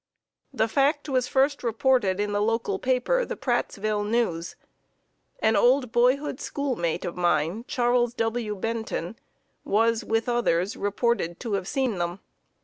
The fact was first reported in the local paper, the Prattsville News. An old boyhood schoolmate of mine, Charles W. Benton, was, with others, reported to have seen them.